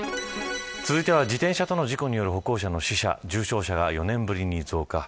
続いては自転車との事故による歩行者の死者や重傷者が４年ぶりに増加。